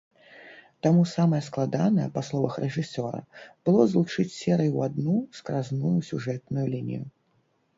Таму самае складанае, па словах рэжысёра, было злучыць серыі ў адну скразную сюжэтную лінію.